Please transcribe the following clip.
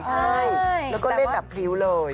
ใช่แล้วก็เล่นแบบพริ้วเลย